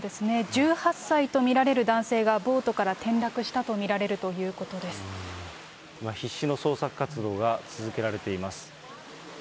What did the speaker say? １８歳と見られる男性がボートから転落したと見られるということ必死の捜索活動が続けられています。